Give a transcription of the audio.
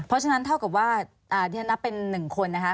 เพราะฉะนั้นเท่ากับว่าที่ฉันนับเป็น๑คนนะคะ